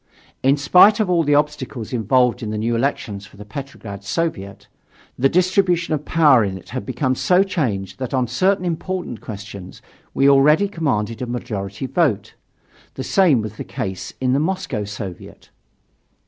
In spite of all the obstacles involved in the new elections for the Petrograd Soviet, the distribution of power in it had become so changed that on certain important questions we already commanded a majority vote. The same was the case in the Moscow Soviet.